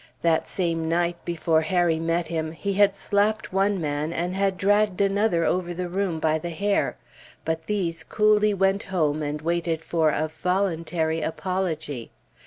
That same night, before Harry met him, he had slapped one man, and had dragged another over the room by the hair; but these coolly went home, and waited for a voluntary apology.